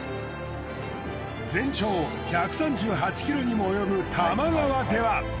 全長１３８ｋｍにも及ぶ多摩川では。